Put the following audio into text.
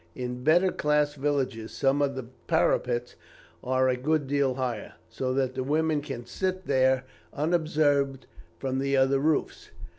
In better class villages some of the parapets are a good deal higher; so that the women can sit there unobserved from the other roofs.